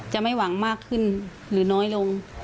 ไม่หวังมากขึ้นหรือน้อยลง